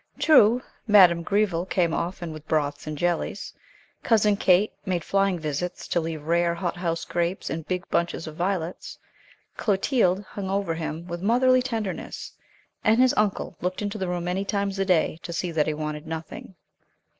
True, Madame Gréville came often with broths and jellies, Cousin Kate made flying visits to leave rare hothouse grapes and big bunches of violets; Clotilde hung over him with motherly tenderness, and his uncle looked into the room many times a day to see that he wanted nothing.